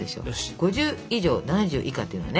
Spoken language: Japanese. ５０以上７０以下っていうのはね